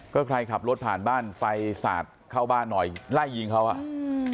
ก็ใครขับรถผ่านบ้านไฟสาดเข้าบ้านหน่อยไล่ยิงเขาอ่ะอืม